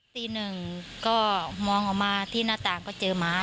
ตีหนึ่งก็มองออกมาที่หน้าต่างก็เจอหมา